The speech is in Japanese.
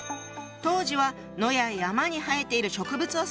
当時は野や山に生えている植物を指していたの。